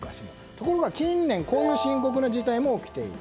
ところが近年こういう深刻な事態も起きている。